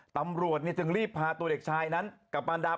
ตำรวจเนี่ยจึงรีบพาตัวเด็กชายนั้นกับอันดับ